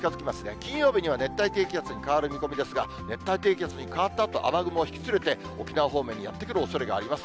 金曜日には熱帯低気圧に変わる見込みですが、熱帯低気圧に変わったあと、雨雲を引き連れて、沖縄方面にやって来るおそれがあります。